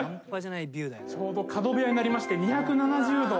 ちょうど角部屋になりまして２７０度。